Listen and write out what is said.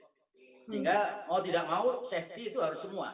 sehingga mau tidak mau safety itu harus semua